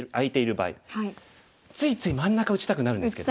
ついつい真ん中打ちたくなるんですけども。